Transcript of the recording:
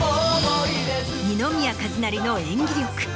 二宮和也の演技力。